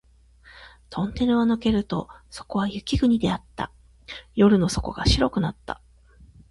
トンネルを抜けるとそこは雪国であった。夜の底が白くなった